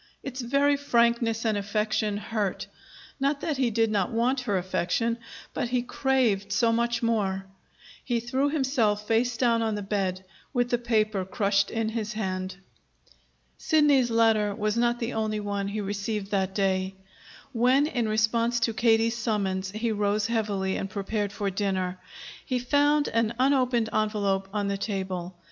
Its very frankness and affection hurt not that he did not want her affection; but he craved so much more. He threw himself face down on the bed, with the paper crushed in his hand. Sidney's letter was not the only one he received that day. When, in response to Katie's summons, he rose heavily and prepared for dinner, he found an unopened envelope on the table.